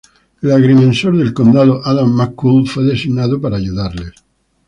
El agrimensor del condado, Adam McCool, fue designado para ayudarles.